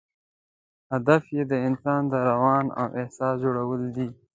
هدف یې د انسان د روان او احساس جوړول دي.